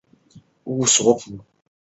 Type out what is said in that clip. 它们会以树孔或洞穴来避雨。